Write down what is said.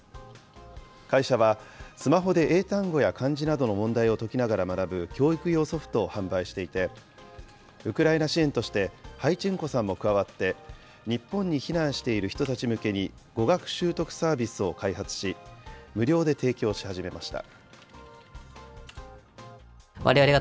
会社は、スマホで英単語や漢字などの問題を解きながら学ぶ教育用ソフトを販売していて、ウクライナ支援としてハイチェンコさんも加わって、日本に避難している人たち向けに語学習得サービスを開発し、無料で提供し始めました。